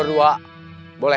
aku mau ke sana